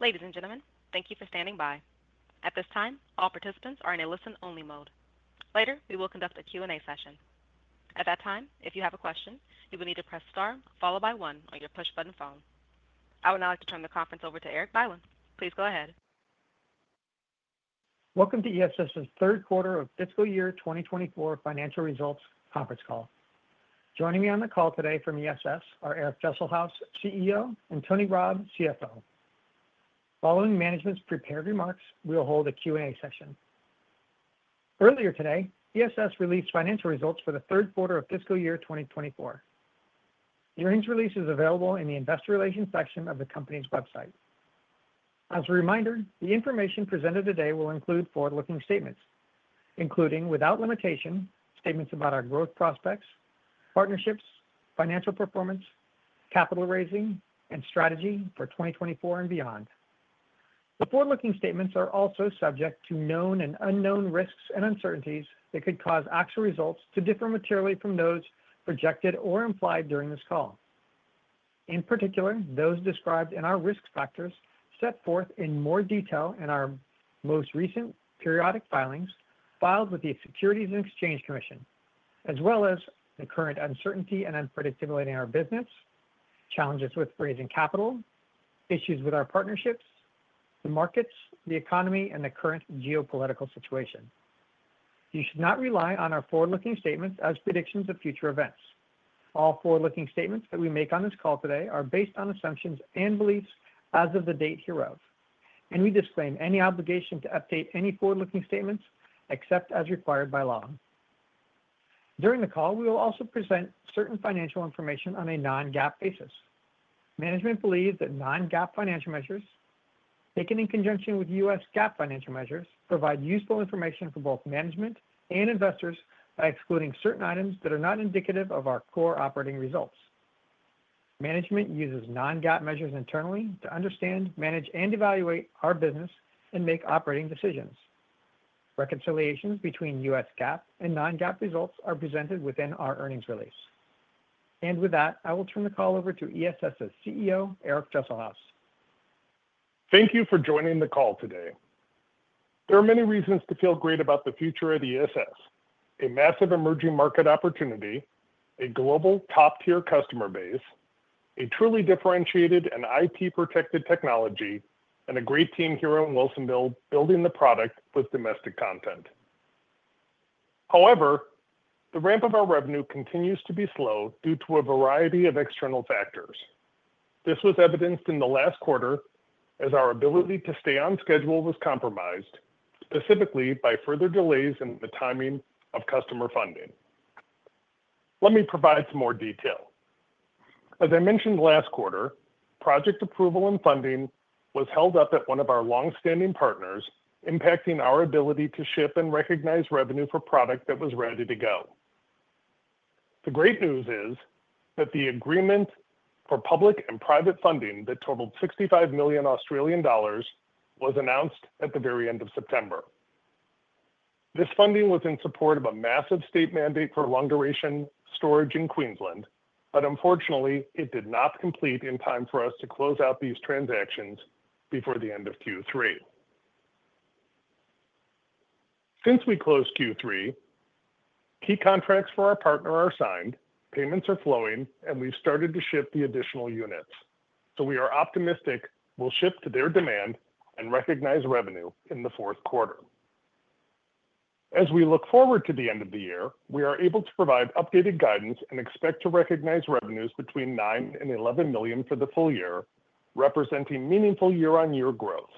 Ladies and gentlemen, thank you for standing by. At this time, all participants are in a listen-only mode. Later, we will conduct a Q&A session. At that time, if you have a question, you will need to press star followed by one on your push-button phone. I would now like to turn the conference over to Erik Bylin. Please go ahead. Welcome to ESS's Q3 of Fiscal Year 2024 Financial Results Conference Call. Joining me on the call today from ESS are Eric Dresselhuys, CEO, and Tony Rabb, CFO. Following management's prepared remarks, we will hold a Q&A session. Earlier today, ESS released financial results for the Q3 of fiscal year 2024. The earnings release is available in the investor relations section of the company's website. As a reminder, the information presented today will include forward-looking statements, including without limitation statements about our growth prospects, partnerships, financial performance, capital raising, and strategy for 2024 and beyond. The forward-looking statements are also subject to known and unknown risks and uncertainties that could cause actual results to differ materially from those projected or implied during this call. In particular, those described in our risk factors set forth in more detail in our most recent periodic filings filed with the Securities and Exchange Commission, as well as the current uncertainty and unpredictability in our business, challenges with raising capital, issues with our partnerships, the markets, the economy, and the current geopolitical situation. You should not rely on our forward-looking statements as predictions of future events. All forward-looking statements that we make on this call today are based on assumptions and beliefs as of the date hereof, and we disclaim any obligation to update any forward-looking statements except as required by law. During the call, we will also present certain financial information on a Non-GAAP basis. Management believes that non-GAAP financial measures, taken in conjunction with U.S. GAAP financial measures, provide useful information for both management and investors by excluding certain items that are not indicative of our core operating results. Management uses non-GAAP measures internally to understand, manage, and evaluate our business and make operating decisions. Reconciliations between U.S. GAAP and non-GAAP results are presented within our earnings release. And with that, I will turn the call over to ESS's CEO, Eric Dresselhuys. Thank you for joining the call today. There are many reasons to feel great about the future of ESS: a massive emerging market opportunity, a global top-tier customer base, a truly differentiated and IP-protected technology, and a great team here in Wilsonville building the product with domestic content. However, the ramp of our revenue continues to be slow due to a variety of external factors. This was evidenced in the last quarter as our ability to stay on schedule was compromised, specifically by further delays in the timing of customer funding. Let me provide some more detail. As I mentioned last quarter, project approval and funding was held up at one of our longstanding partners, impacting our ability to ship and recognize revenue for product that was ready to go. The great news is that the agreement for public and private funding that totaled 65 million Australian dollars was announced at the very end of September. This funding was in support of a massive state mandate for long-duration storage in Queensland, but unfortunately, it did not complete in time for us to close out these transactions before the end of Q3. Since we closed Q3, key contracts for our partner are signed, payments are flowing, and we've started to ship the additional units. So we are optimistic we'll ship to their demand and recognize revenue in the Q4. As we look forward to the end of the year, we are able to provide updated guidance and expect to recognize revenues between $9 million and $11 million for the full year, representing meaningful year-on-year growth.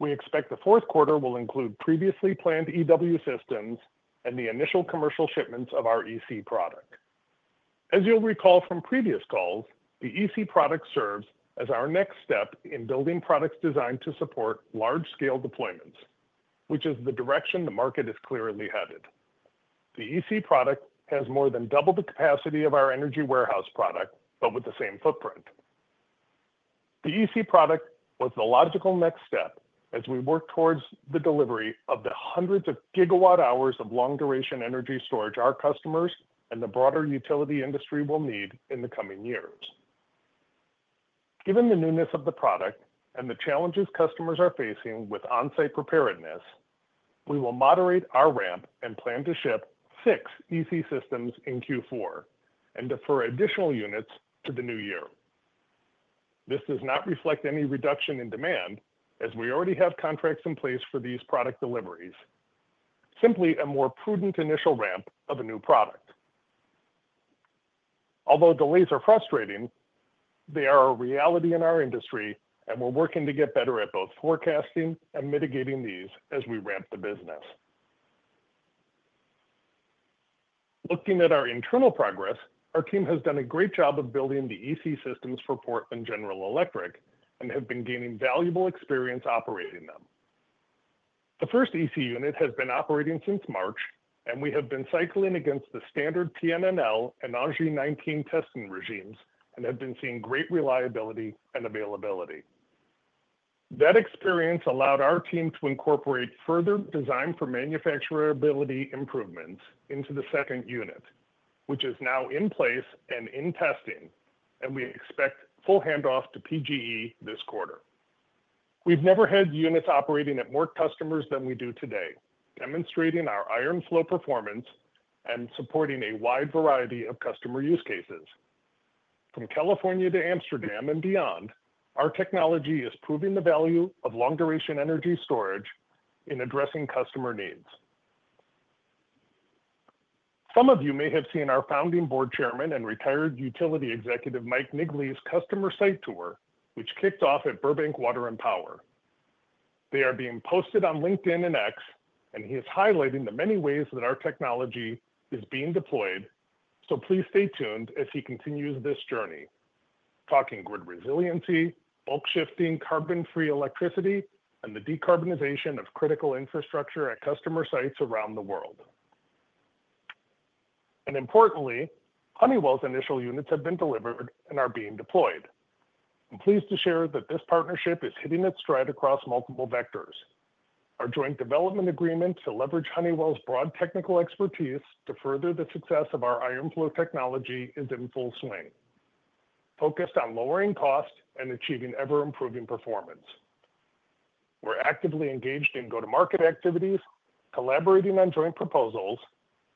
We expect the Q4 will include previously planned EW systems and the initial commercial shipments of our EC product. As you'll recall from previous calls, the EC product serves as our next step in building products designed to support large-scale deployments, which is the direction the market is clearly headed. The EC product has more than double the capacity of our energy warehouse product, but with the same footprint. The EC product was the logical next step as we work towards the delivery of the hundreds of gigawatt-hours of long-duration energy storage our customers and the broader utility industry will need in the coming years. Given the newness of the product and the challenges customers are facing with on-site preparedness, we will moderate our ramp and plan to ship six EC systems in Q4 and defer additional units to the new year. This does not reflect any reduction in demand, as we already have contracts in place for these product deliveries. Simply a more prudent initial ramp of a new product. Although delays are frustrating, they are a reality in our industry, and we're working to get better at both forecasting and mitigating these as we ramp the business. Looking at our internal progress, our team has done a great job of building the EC systems for Portland General Electric and have been gaining valuable experience operating them. The first EC unit has been operating since March, and we have been cycling against the standard PNNL and ANSI 19 testing regimes and have been seeing great reliability and availability. That experience allowed our team to incorporate further design for manufacturability improvements into the second unit, which is now in place and in testing, and we expect full handoff to PGE this quarter. We've never had units operating at more customers than we do today, demonstrating our iron flow performance and supporting a wide variety of customer use cases. From California to Amsterdam and beyond, our technology is proving the value of long-duration energy storage in addressing customer needs. Some of you may have seen our founding board chairman and retired utility executive Michael Niggli's customer site tour, which kicked off at Burbank Water and Power. They are being posted on LinkedIn and X, and he is highlighting the many ways that our technology is being deployed, so please stay tuned as he continues this journey, talking grid resiliency, bulk shifting, carbon-free electricity, and the decarbonization of critical infrastructure at customer sites around the world, and importantly, Honeywell's initial units have been delivered and are being deployed. I'm pleased to share that this partnership is hitting its stride across multiple vectors. Our joint development agreement to leverage Honeywell's broad technical expertise to further the success of our iron flow technology is in full swing, focused on lowering costs and achieving ever-improving performance. We're actively engaged in go-to-market activities, collaborating on joint proposals,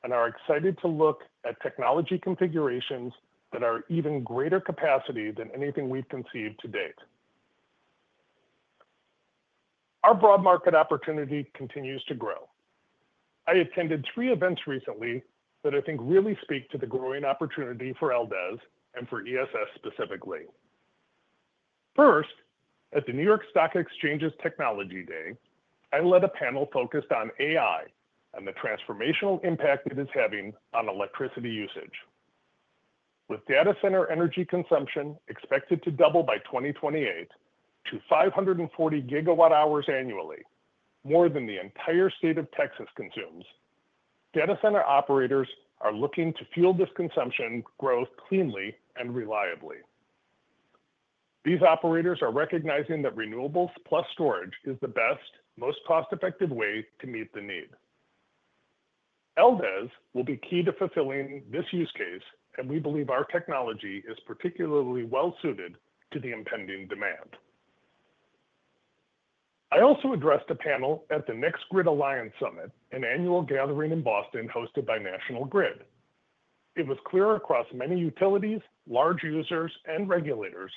and are excited to look at technology configurations that are even greater capacity than anything we've conceived to date. Our broad market opportunity continues to grow. I attended three events recently that I think really speak to the growing opportunity for LDES and for ESS specifically. First, at the New York Stock Exchange's Technology Day, I led a panel focused on AI and the transformational impact it is having on electricity usage. With data center energy consumption expected to double by 2028 to 540 GWh annually, more than the entire state of Texas consumes, data center operators are looking to fuel this consumption growth cleanly and reliably. These operators are recognizing that renewables plus storage is the best, most cost-effective way to meet the need. LDES will be key to fulfilling this use case, and we believe our technology is particularly well-suited to the impending demand. I also addressed a panel at the NextGrid Alliance Summit, an annual gathering in Boston hosted by National Grid. It was clear across many utilities, large users, and regulators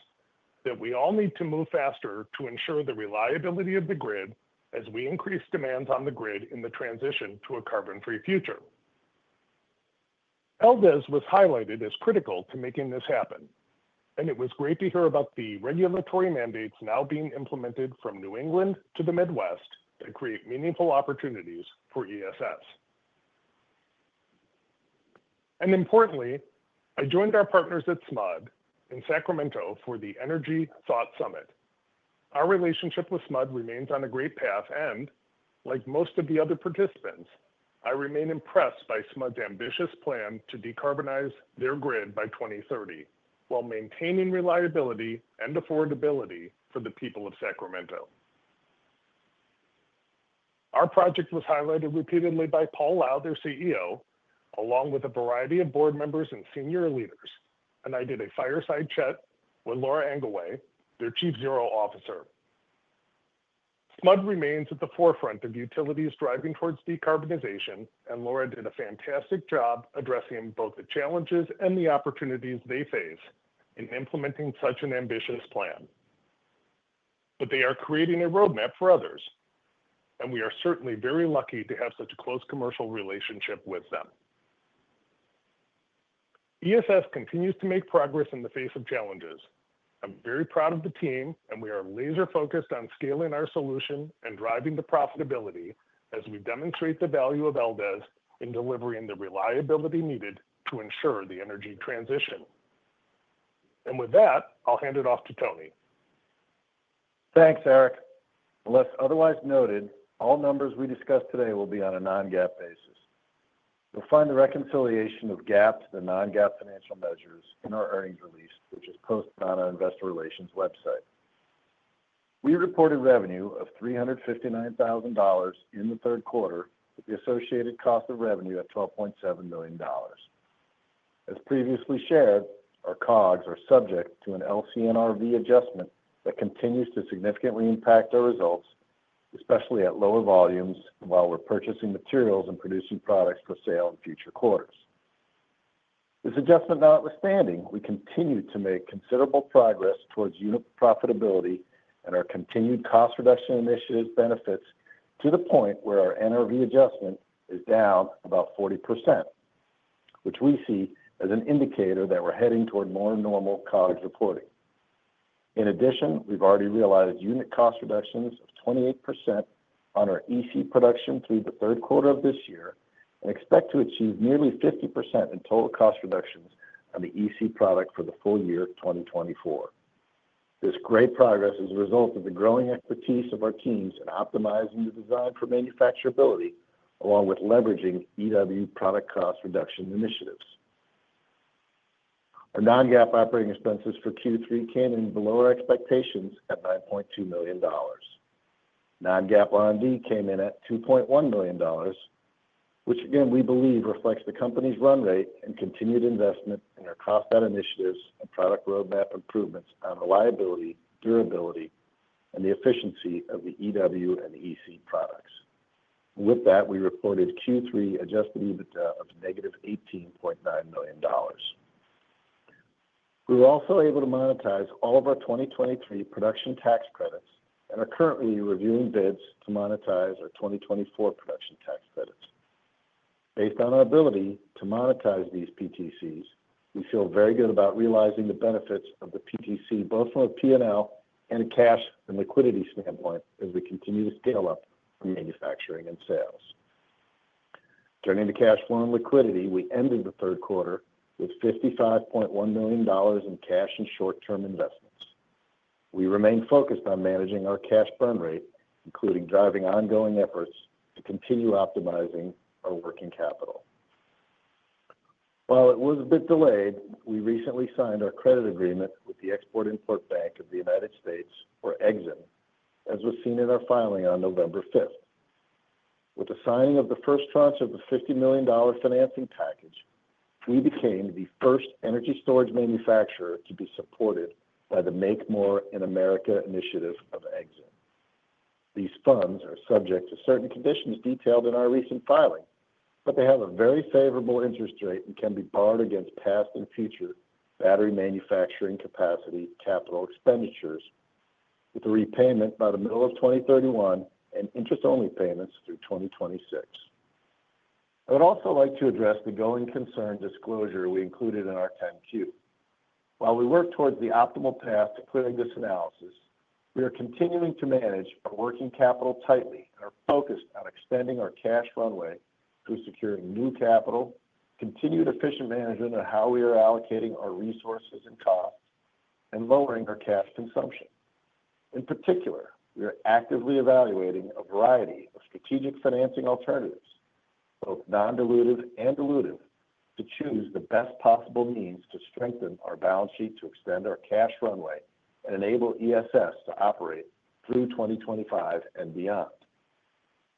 that we all need to move faster to ensure the reliability of the grid as we increase demands on the grid in the transition to a carbon-free future. LDES was highlighted as critical to making this happen, and it was great to hear about the regulatory mandates now being implemented from New England to the Midwest to create meaningful opportunities for ESS, and importantly, I joined our partners at SMUD in Sacramento for the Energy Thought Summit. Our relationship with SMUD remains on a great path, and like most of the other participants, I remain impressed by SMUD's ambitious plan to decarbonize their grid by 2030 while maintaining reliability and affordability for the people of Sacramento. Our project was highlighted repeatedly by Paul Lau, their CEO, along with a variety of board members and senior leaders, and I did a fireside chat with Lora Anguay, their Chief Zero Officer. SMUD remains at the forefront of utilities driving towards decarbonization, and Lora did a fantastic job addressing both the challenges and the opportunities they face in implementing such an ambitious plan. But they are creating a roadmap for others, and we are certainly very lucky to have such a close commercial relationship with them. ESS continues to make progress in the face of challenges. I'm very proud of the team, and we are laser-focused on scaling our solution and driving the profitability as we demonstrate the value of LDES in delivering the reliability needed to ensure the energy transition, and with that, I'll hand it off to Tony. Thanks, Eric. Unless otherwise noted, all numbers we discussed today will be on a non-GAAP basis. You'll find the reconciliation of GAAP to the non-GAAP financial measures in our earnings release, which is posted on our investor relations website. We reported revenue of $359,000 in the third quarter with the associated cost of revenue at $12.7 million. As previously shared, our COGS are subject to an LCNRV adjustment that continues to significantly impact our results, especially at lower volumes while we're purchasing materials and producing products for sale in future quarters. This adjustment notwithstanding, we continue to make considerable progress towards unit profitability and our continued cost reduction initiatives benefits to the point where our NRV adjustment is down about 40%, which we see as an indicator that we're heading toward more normal COGS reporting. In addition, we've already realized unit cost reductions of 28% on our EC production through the third quarter of this year and expect to achieve nearly 50% in total cost reductions on the EC product for the full year 2024. This great progress is a result of the growing expertise of our teams in optimizing the design for manufacturability along with leveraging EW product cost reduction initiatives. Our non-GAAP operating expenses for Q3 came in below our expectations at $9.2 million. Non-GAAP R&D came in at $2.1 million, which again, we believe reflects the company's run rate and continued investment in our cost-out initiatives and product roadmap improvements on reliability, durability, and the efficiency of the EW and EC products. With that, we reported Q3 adjusted EBITDA of negative $18.9 million. We were also able to monetize all of our 2023 production tax credits and are currently reviewing bids to monetize our 2024 production tax credits. Based on our ability to monetize these PTCs, we feel very good about realizing the benefits of the PTC both from a P&L and cash and liquidity standpoint as we continue to scale up from manufacturing and sales. Turning to cash flow and liquidity, we ended the third quarter with $55.1 million in cash and short-term investments. We remain focused on managing our cash burn rate, including driving ongoing efforts to continue optimizing our working capital. While it was a bit delayed, we recently signed our credit agreement with the Export-Import Bank of the United States or EXIM, as was seen in our filing on November 5th. With the signing of the first tranche of the $50 million financing package, we became the first energy storage manufacturer to be supported by the Make More in America initiative of EXIM. These funds are subject to certain conditions detailed in our recent filing, but they have a very favorable interest rate and can be borrowed against past and future battery manufacturing capacity capital expenditures with a repayment by the middle of 2031 and interest-only payments through 2026. I would also like to address the going concern disclosure we included in our 10-Q. While we work towards the optimal path to clearing this analysis, we are continuing to manage our working capital tightly and are focused on expanding our cash runway through securing new capital, continued efficient management of how we are allocating our resources and costs, and lowering our cash consumption. In particular, we are actively evaluating a variety of strategic financing alternatives, both non-dilutive and dilutive, to choose the best possible means to strengthen our balance sheet to extend our cash runway and enable ESS to operate through 2025 and beyond.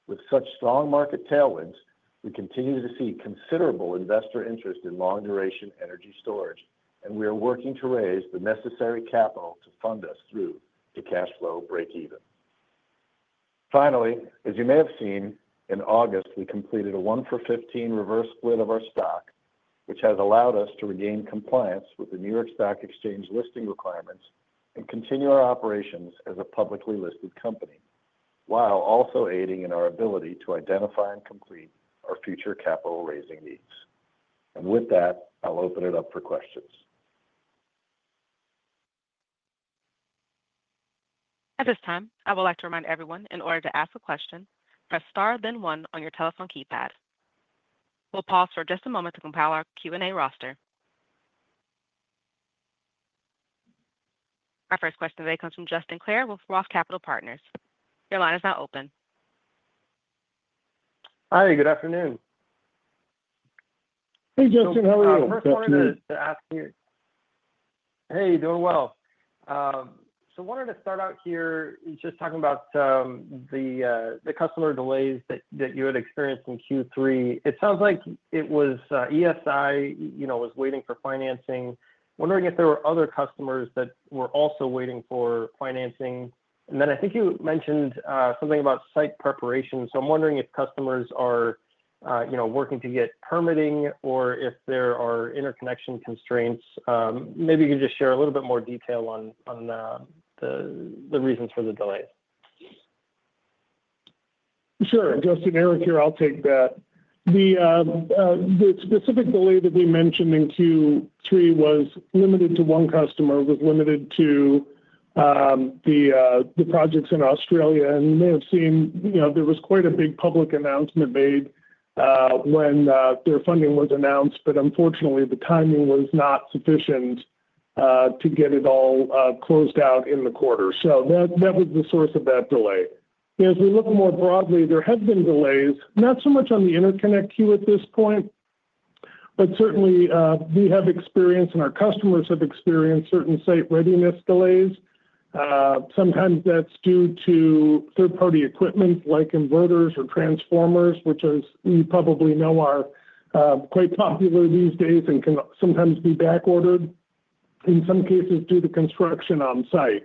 With such strong market tailwinds, we continue to see considerable investor interest in long-duration energy storage, and we are working to raise the necessary capital to fund us through to cash flow breakeven. Finally, as you may have seen, in August, we completed a one-for-fifteen reverse split of our stock, which has allowed us to regain compliance with the New York Stock Exchange listing requirements and continue our operations as a publicly listed company while also aiding in our ability to identify and complete our future capital raising needs. And with that, I'll open it up for questions. At this time, I would like to remind everyone in order to ask a question, press star, then one on your telephone keypad. We'll pause for just a moment to compile our Q&A roster. Our first question today comes from Justin Clare with Roth Capital Partners. Your line is now open. Hi, good afternoon. Hey, Justin, how are you? Good afternoon. Hey, doing well. So I wanted to start out here just talking about the customer delays that you had experienced in Q3. It sounds like it was ESI, you know, was waiting for financing. Wondering if there were other customers that were also waiting for financing. And then I think you mentioned something about site preparation. So I'm wondering if customers are working to get permitting or if there are interconnection constraints. Maybe you could just share a little bit more detail on the reasons for the delays. Sure. Justin, Eric here. I'll take that. The specific delay that we mentioned in Q3 was limited to one customer, was limited to the projects in Australia, and you may have seen, you know, there was quite a big public announcement made when their funding was announced, but unfortunately, the timing was not sufficient to get it all closed out in the quarter. So that was the source of that delay. As we look more broadly, there have been delays, not so much on the interconnect queue at this point, but certainly we have experienced, and our customers have experienced certain site readiness delays. Sometimes that's due to third-party equipment like inverters or transformers, which, as you probably know, are quite popular these days and can sometimes be backordered in some cases due to construction on site.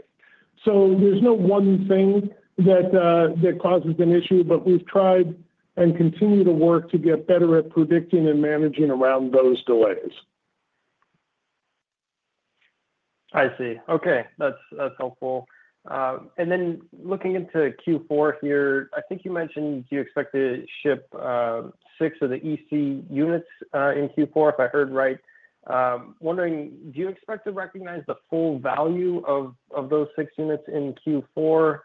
So there's no one thing that causes an issue, but we've tried and continue to work to get better at predicting and managing around those delays. I see. Okay. That's helpful. And then looking into Q4 here, I think you mentioned you expected to ship six of the EC units in Q4, if I heard right. Wondering, do you expect to recognize the full value of those six units in Q4?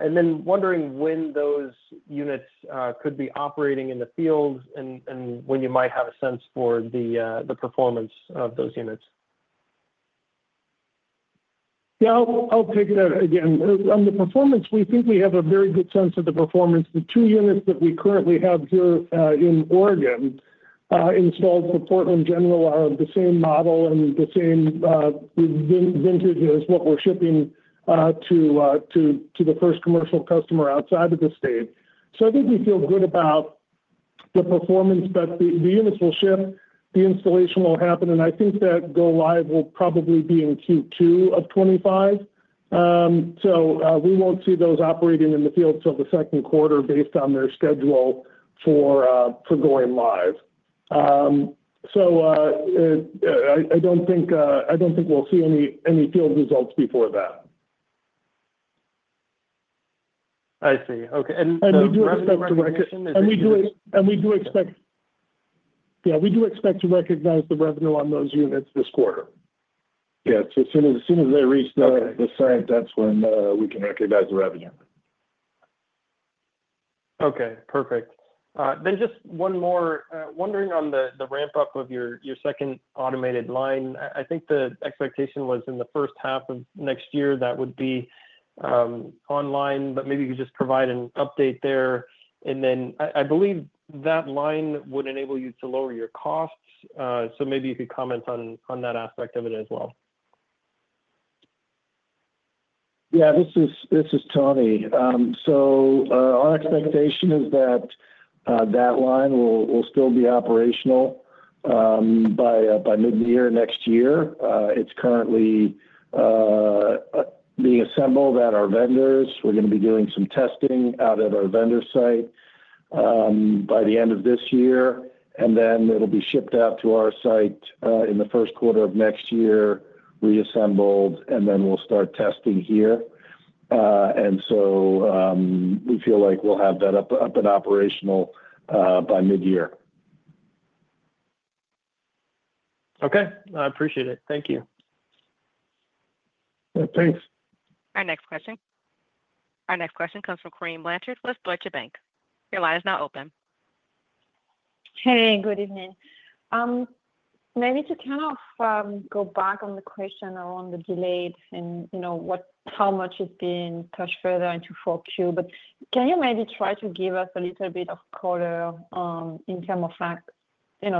And then wondering when those units could be operating in the field and when you might have a sense for the performance of those units. Yeah, I'll take that again. On the performance, we think we have a very good sense of the performance. The two units that we currently have here in Oregon installed for Portland General are of the same model and the same vintage as what we're shipping to the first commercial customer outside of the state. So I think we feel good about the performance, but the units will ship, the installation will happen, and I think that go-live will probably be in Q2 of 2025. So we won't see those operating in the field till the second quarter based on their schedule for going live. So I don't think we'll see any field results before that. I see. Okay. And do you expect to recognize the revenue on those units this quarter? Yes. As soon as they reach the site, that's when we can recognize the revenue. Okay. Perfect. Then just one more. Wondering on the ramp-up of your second automated line. I think the expectation was in the first half of next year that would be online, but maybe you could just provide an update there. And then I believe that line would enable you to lower your costs. So maybe you could comment on that aspect of it as well. Yeah, this is Tony. So our expectation is that that line will still be operational by mid-year next year. It's currently being assembled at our vendors. We're going to be doing some testing out at our vendor site by the end of this year, and then it'll be shipped out to our site in the first quarter of next year, reassembled, and then we'll start testing here. And so we feel like we'll have that up and operational by mid-year. Okay. I appreciate it. Thank you. Thanks. Our next question comes from Corinne Blanchard with Deutsche Bank. Your line is now open. Hey, good evening. Maybe to kind of go back on the question around the delayed and how much is being pushed further into 4Q, but can you maybe try to give us a little bit of color in terms of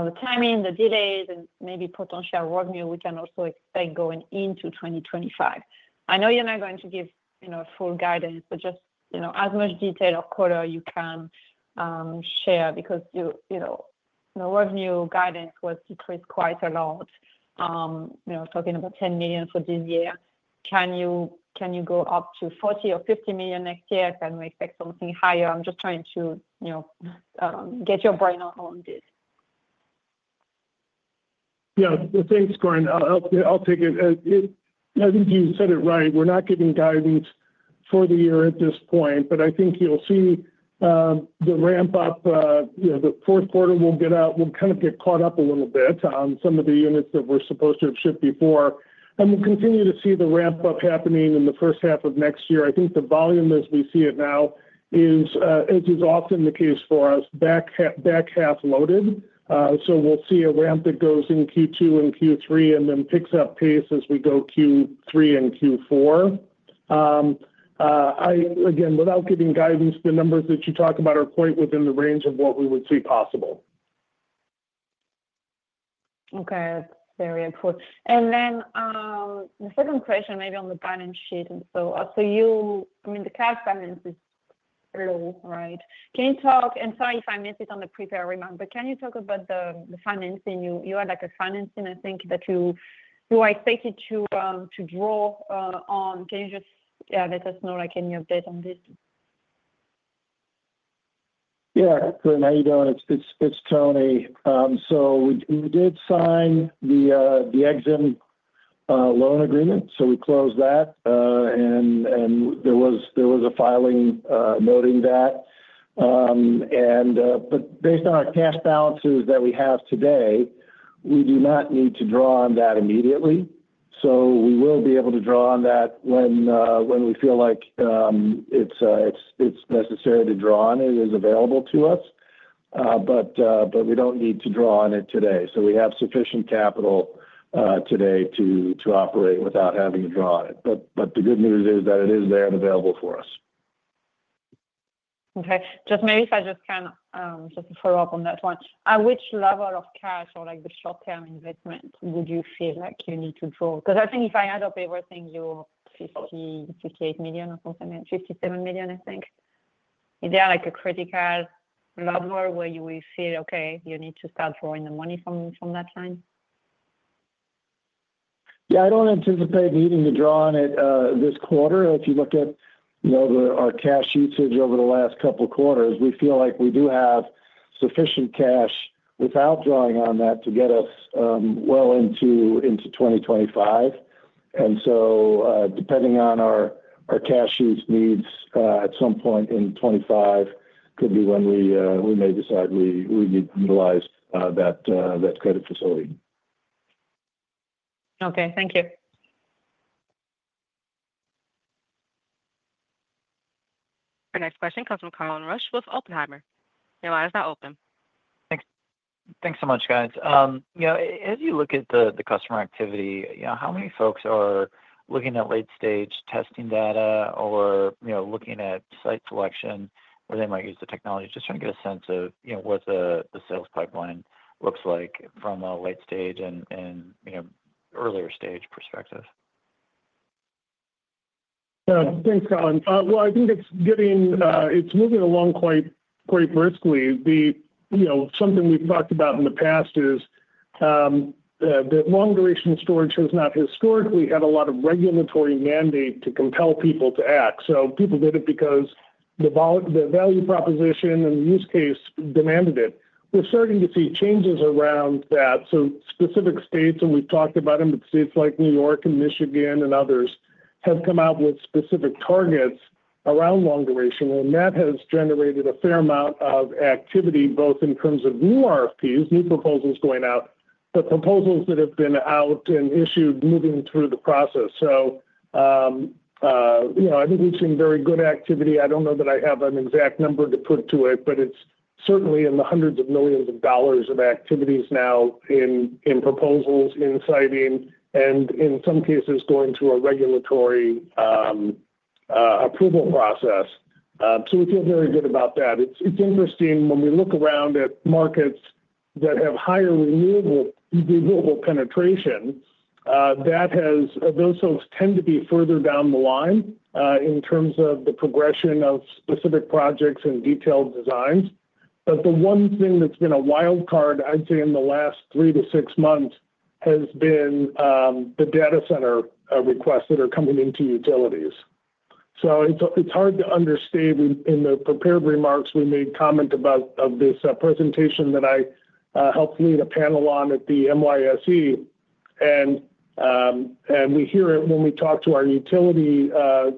the timing, the delays, and maybe potential revenue we can also expect going into 2025? I know you're not going to give full guidance, but just as much detail of color you can share because the revenue guidance was decreased quite a lot. Talking about $10 million for this year, can you go up to $40 or $50 million next year? Can we expect something higher? I'm just trying to get your brain on this. Yeah. Thanks, Corinne. I'll take it. I think you said it right. We're not getting guidance for the year at this point, but I think you'll see the ramp-up. The fourth quarter will get out. We'll kind of get caught up a little bit on some of the units that we're supposed to have shipped before, and we'll continue to see the ramp-up happening in the first half of next year. I think the volume, as we see it now, is, as is often the case for us, back half loaded. So we'll see a ramp that goes in Q2 and Q3 and then picks up pace as we go Q3 and Q4. Again, without giving guidance, the numbers that you talk about are quite within the range of what we would see possible. Okay. That's very important. And then the second question, maybe on the balance sheet. So I mean, the cash balance is low, right? Can you talk, and sorry if I missed it in the prepared remarks, but can you talk about the financing? You had a financing, I think, that you were expected to draw on. Can you just let us know any update on this? Yeah. Corinne, how are you doing? It's Tony. So we did sign the EXIM loan agreement. So we closed that, and there was a filing noting that. But based on our cash balances that we have today, we do not need to draw on that immediately. So we will be able to draw on that when we feel like it's necessary to draw on it. It is available to us, but we don't need to draw on it today. So we have sufficient capital today to operate without having to draw on it. But the good news is that it is there and available for us. Okay. Maybe if I can just follow up on that one. At which level of cash or the short-term investment would you feel like you need to draw? Because I think if I add up everything, you're $58 million or something like that, $57 million, I think. Is there a critical level where you will feel, okay, you need to start drawing the money from that line? Yeah. I don't anticipate needing to draw on it this quarter. If you look at our cash usage over the last couple of quarters, we feel like we do have sufficient cash without drawing on that to get us well into 2025. And so depending on our cash use needs at some point in 25 could be when we may decide we need to utilize that credit facility. Okay. Thank you. Our next question comes from Colin Rusch with Oppenheimer. Your line is now open. Thanks so much, guys. As you look at the customer activity, how many folks are looking at late-stage testing data or looking at site selection where they might use the technology? Just trying to get a sense of what the sales pipeline looks like from a late-stage and earlier-stage perspective. Thanks, Colin. Well, I think it's moving along quite briskly. Something we've talked about in the past is that long-duration storage has not historically had a lot of regulatory mandate to compel people to act. So people did it because the value proposition and the use case demanded it. We're starting to see changes around that. So specific states, and we've talked about them, but states like New York and Michigan and others have come out with specific targets around long duration, and that has generated a fair amount of activity both in terms of new RFPs, new proposals going out, but proposals that have been out and issued moving through the process. So I think we've seen very good activity. I don't know that I have an exact number to put to it, but it's certainly in the hundreds of millions of dollars of activities now in proposals, in siting, and in some cases going through a regulatory approval process. So we feel very good about that. It's interesting when we look around at markets that have higher renewable penetration, those folks tend to be further down the line in terms of the progression of specific projects and detailed designs. But the one thing that's been a wildcard, I'd say in the last three to six months, has been the data center requests that are coming into utilities. So it's hard to understand. In the prepared remarks we made comment about this presentation that I helped lead a panel on at the NYSE, and we hear it when we talk to our utility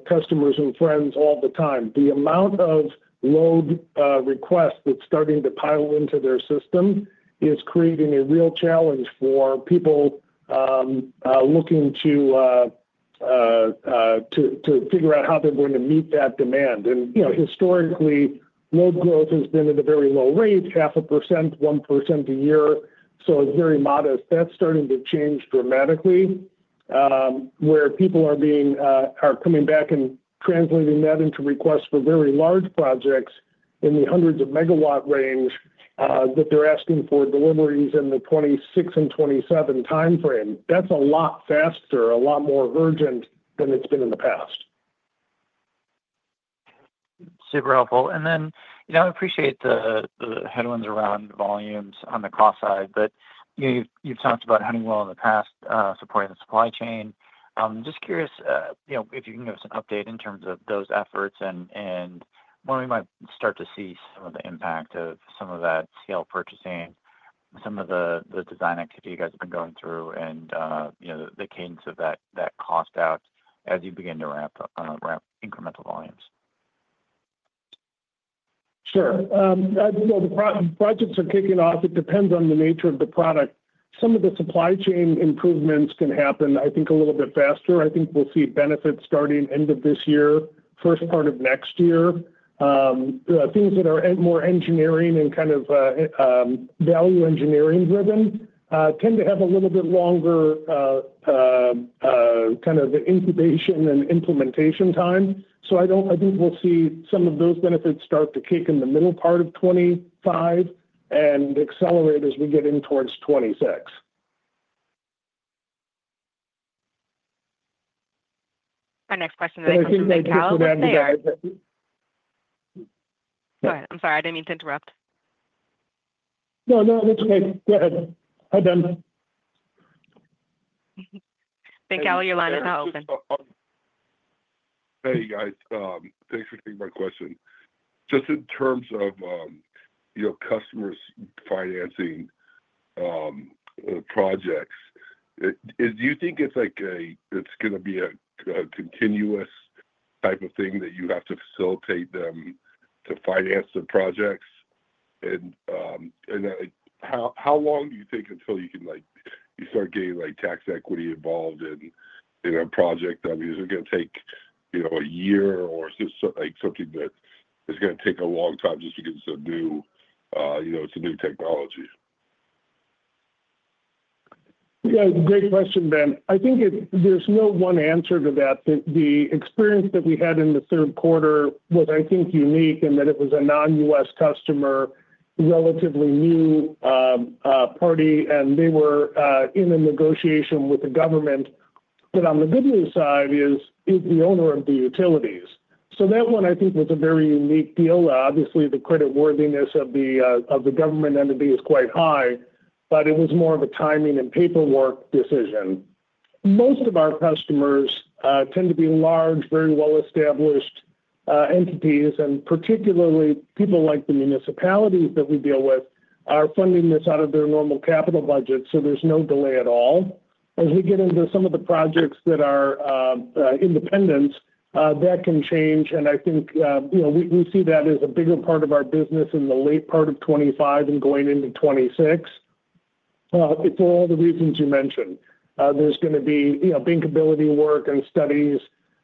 customers and friends all the time. The amount of load requests that's starting to pile into their system is creating a real challenge for people looking to figure out how they're going to meet that demand, and historically, load growth has been at a very low rate, 0.5%, 1% a year, so it's very modest. That's starting to change dramatically where people are coming back and translating that into requests for very large projects in the hundreds of megawatts range that they're asking for deliveries in the 2026 and 2027 timeframe. That's a lot faster, a lot more urgent than it's been in the past. Super helpful. And then I appreciate the headwinds around volumes on the cost side, but you've talked about Honeywell in the past supporting the supply chain. I'm just curious if you can give us an update in terms of those efforts and when we might start to see some of the impact of some of that scale purchasing, some of the design activity you guys have been going through, and the cadence of that cost out as you begin to ramp incremental volumes? Sure. Well, the projects are kicking off. It depends on the nature of the product. Some of the supply chain improvements can happen, I think, a little bit faster. I think we'll see benefits starting end of this year, first part of next year. Things that are more engineering and kind of value engineering driven tend to have a little bit longer kind of incubation and implementation time. So I think we'll see some of those benefits start to kick in the middle part of 2025 and accelerate as we get in towards 2026. Our next question is for Ben Kallo from Baird. I think that you put that in there. Go ahead. I'm sorry. I didn't mean to interrupt. No, no. That's okay. Go ahead. Head on. Ben Kallo, your line is now open. Hey, guys. Thanks for taking my question. Just in terms of customers financing projects, do you think it's going to be a continuous type of thing that you have to facilitate them to finance the projects? And how long do you think until you start getting tax equity involved in a project? I mean, is it going to take a year or is this something that is going to take a long time just because it's a new technology? Yeah. Great question, Ben. I think there's no one answer to that. The experience that we had in the third quarter was, I think, unique in that it was a non-US customer, relatively new party, and they were in a negotiation with the government. But on the good news side is the owner of the utilities. So that one, I think, was a very unique deal. Obviously, the creditworthiness of the government entity is quite high, but it was more of a timing and paperwork decision. Most of our customers tend to be large, very well-established entities, and particularly people like the municipalities that we deal with are funding this out of their normal capital budget, so there's no delay at all. As we get into some of the projects that are independent, that can change, and I think we see that as a bigger part of our business in the late part of 2025 and going into 2026 for all the reasons you mentioned. There's going to be bankability work and studies,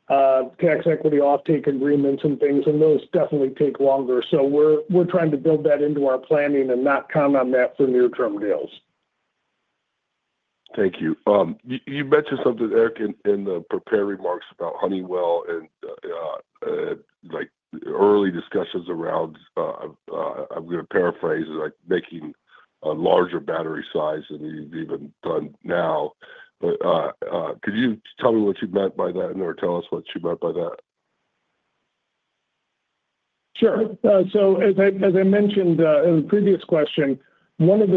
tax equity offtake agreements and things, and those definitely take longer, so we're trying to build that into our planning and not count on that for near-term deals. Thank you. You mentioned something, Eric, in the prepared remarks about Honeywell and early discussions around, I'm going to paraphrase, making a larger battery size than we've ever done now. But could you tell me what you meant by that, or tell us what you meant by that? Sure. So as I mentioned in the previous question, one of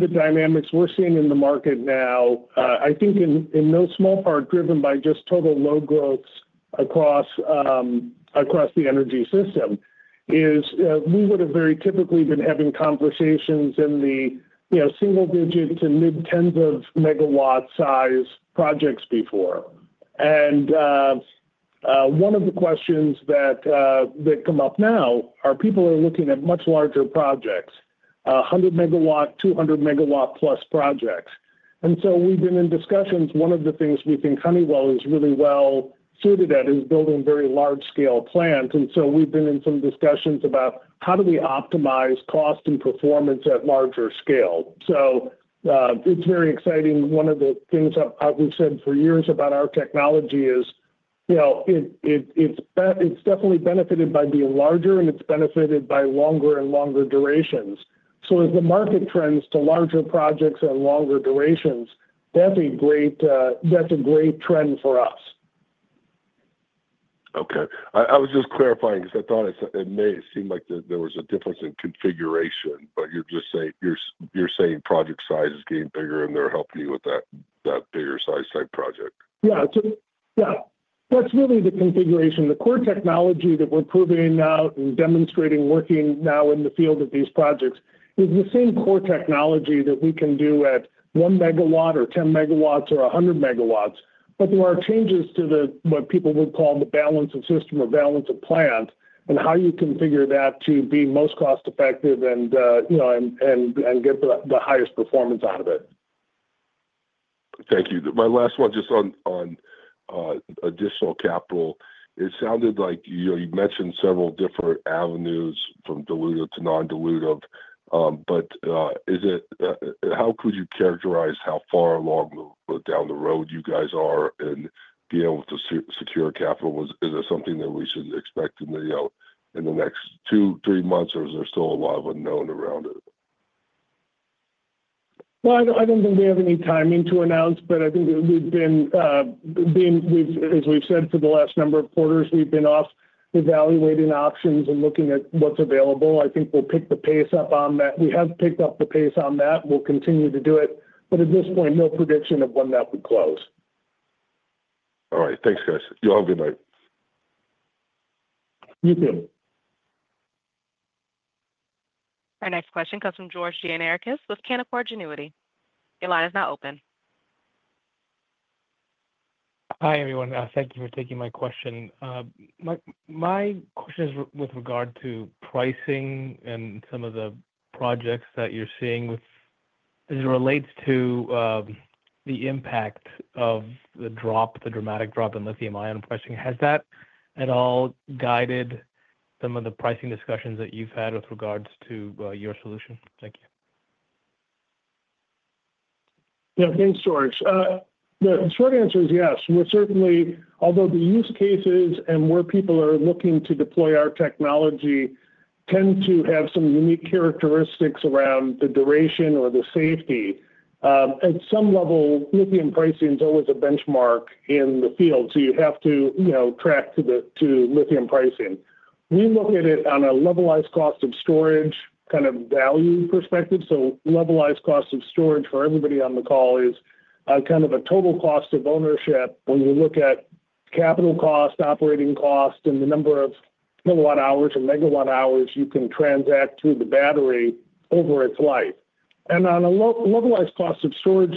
the dynamics we're seeing in the market now, I think in no small part driven by just total load growths across the energy system, is we would have very typically been having conversations in the single digit to mid-tens of megawatt-size projects before. And one of the questions that come up now are people are looking at much larger projects, 100-megawatt, 200-megawatt-plus projects. And so we've been in discussions. One of the things we think Honeywell is really well suited at is building very large-scale plants. And so we've been in some discussions about how do we optimize cost and performance at larger scale. So it's very exciting. One of the things we've said for years about our technology is it's definitely benefited by being larger, and it's benefited by longer and longer durations. So as the market trends to larger projects and longer durations, that's a great trend for us. Okay. I was just clarifying because I thought it may seem like there was a difference in configuration, but you're saying project size is getting bigger, and they're helping you with that bigger size type project. Yeah. Yeah. That's really the configuration. The core technology that we're proving out and demonstrating working now in the field of these projects is the same core technology that we can do at one megawatt or 10 megawatts or 100 megawatts, but there are changes to what people would call the balance of system or balance of plant and how you configure that to be most cost-effective and get the highest performance out of it. Thank you. My last one just on additional capital. It sounded like you mentioned several different avenues from dilutive to non-dilutive, but how could you characterize how far along down the road you guys are in being able to secure capital? Is it something that we should expect in the next two, three months, or is there still a lot of unknown around it? I don't think we have any timing to announce, but I think we've been, as we've said for the last number of quarters, we've been off evaluating options and looking at what's available. I think we'll pick the pace up on that. We have picked up the pace on that. We'll continue to do it, but at this point, no prediction of when that would close. All right. Thanks, guys. You all have a good night. You too. Our next question comes from George Gianarikas with Canaccord Genuity. Your line is now open. Hi everyone. Thank you for taking my question. My question is with regard to pricing and some of the projects that you're seeing as it relates to the impact of the dramatic drop in lithium-ion pricing. Has that at all guided some of the pricing discussions that you've had with regards to your solution? Thank you. Yeah. Thanks, George. The short answer is yes. Although the use cases and where people are looking to deploy our technology tend to have some unique characteristics around the duration or the safety. At some level, lithium pricing is always a benchmark in the field, so you have to track to lithium pricing. We look at it on a levelized cost of storage kind of value perspective. So levelized cost of storage for everybody on the call is kind of a total cost of ownership when you look at capital cost, operating cost, and the number of kilowatt hours or megawatt hours you can transact through the battery over its life. And on a levelized cost of storage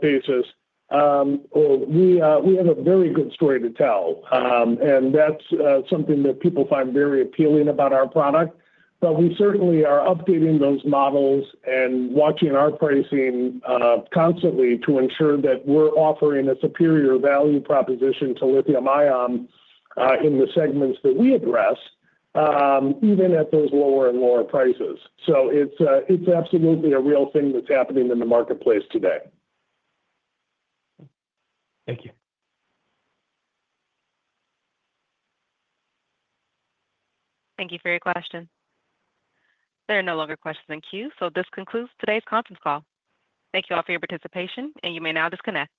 basis, we have a very good story to tell, and that's something that people find very appealing about our product. But we certainly are updating those models and watching our pricing constantly to ensure that we're offering a superior value proposition to lithium-ion in the segments that we address, even at those lower and lower prices. So it's absolutely a real thing that's happening in the marketplace today. Thank you. Thank you for your question. There are no longer questions in queue, so this concludes today's conference call. Thank you all for your participation, and you may now disconnect.